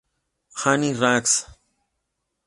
Any Rags?